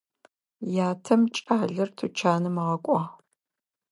Ятэм кӏалэр тучанэм ыгъэкӏуагъ.